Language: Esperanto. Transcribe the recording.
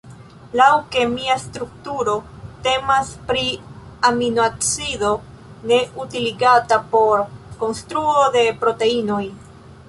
Laŭ kemia strukturo temas pri aminoacido ne utiligata por konstruo de proteinoj.